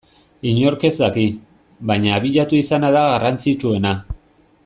Inork ez daki, baina abiatu izana da garrantzitsuena.